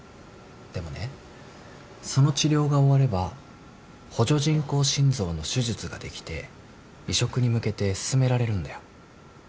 でもねその治療が終われば補助人工心臓の手術ができて移植に向けて進められるんだよ。